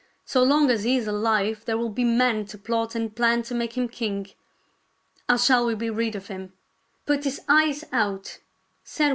So long as he is alive there will be men to plot and plan to make him king. How shall we be rid of him ?"" Put his eyes out," said one. THIRTY MORE FAM. STO.